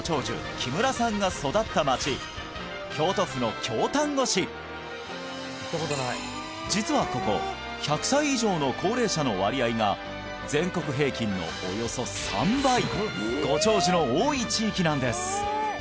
木村さんが育った町京都府の京丹後市実はここ１００歳以上の高齢者の割合が全国平均のおよそ３倍ご長寿の多い地域なんです